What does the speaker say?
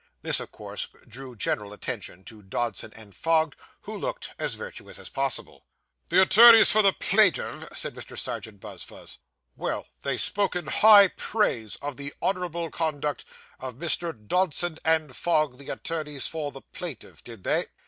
This, of course, drew general attention to Dodson & Fogg, who looked as virtuous as possible. 'The attorneys for the plaintiff,' said Mr. Serjeant Buzfuz. 'Well! They spoke in high praise of the honourable conduct of Messrs. Dodson and Fogg, the attorneys for the plaintiff, did they?